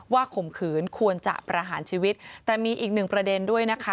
ข่มขืนควรจะประหารชีวิตแต่มีอีกหนึ่งประเด็นด้วยนะคะ